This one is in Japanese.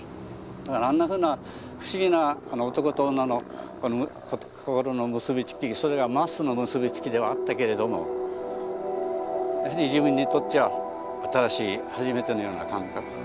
だからあんなふうな不思議な男と女の心の結び付きそれがマスの結び付きではあったけれどもやはり自分にとっちゃ新しい初めてのような感覚。